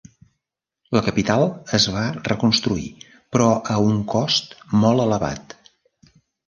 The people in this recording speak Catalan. La capital es va reconstruir però a un cost molt elevat.